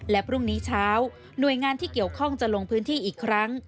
และพรุ่งนี้เช้าหน่วยงานที่เกี่ยวข้องจะลงพื้นที่อีกครั้ง